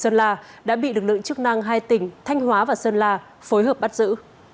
sơn la đã bị lực lượng chức năng hai tỉnh thanh hóa và sơn la phối hợp bắt giữ